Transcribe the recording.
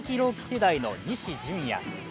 世代の西純矢。